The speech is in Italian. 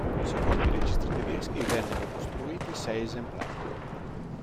Secondo i registri tedeschi vennero costruiti sei esemplari.